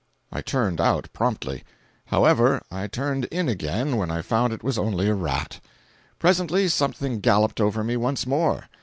I turned out promptly. However, I turned in again when I found it was only a rat. Presently something galloped over me once more.